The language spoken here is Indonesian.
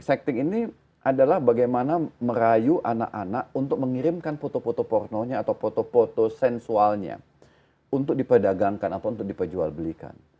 secting ini adalah bagaimana merayu anak anak untuk mengirimkan foto foto pornonya atau foto foto sensualnya untuk diperdagangkan atau untuk diperjualbelikan